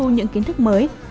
những kiến thức mới